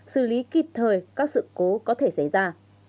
xử lý kịp thời các sự cố có thể xảy ra